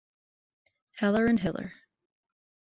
Heller and Hiller.